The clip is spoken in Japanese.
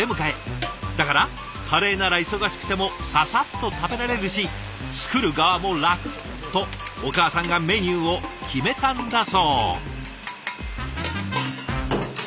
だからカレーなら忙しくてもササッと食べられるし作る側も楽とお母さんがメニューを決めたんだそう。